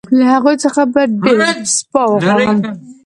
له هغوی څخه به ډېر سپاه وغواړم.